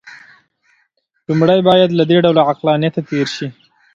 لومړی باید له دې ډول عقلانیته تېر شي.